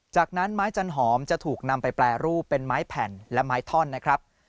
จากนั้นไม้จันหอมจะถูกนำไปแปรรูปเป็นไม้แผ่นและไม้ท่อนนะครับ